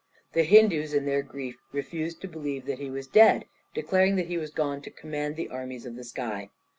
The Hindoos in their grief refused to believe that he was dead, declaring that he was gone to command the armies of the sky.